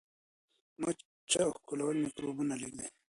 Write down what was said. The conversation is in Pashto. مچه او ښکلول میکروبونه لیږدوي.